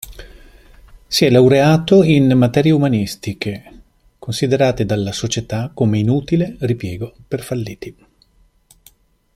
Si è laureato in materie umanistiche, considerate dalla società come inutile ripiego per falliti.